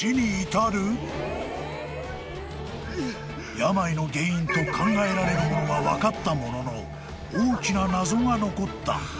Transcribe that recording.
［病の原因と考えられるものが分かったものの大きな謎が残った］